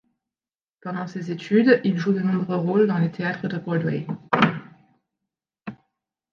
Pendant ses études, il joue de nombreux rôles dans les théâtres de Broadway.